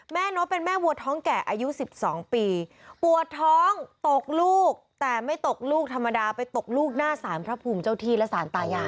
นกเป็นแม่วัวท้องแก่อายุ๑๒ปีปวดท้องตกลูกแต่ไม่ตกลูกธรรมดาไปตกลูกหน้าสารพระภูมิเจ้าที่และสารตายาย